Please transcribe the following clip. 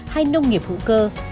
hay nông nghiệp hữu cơ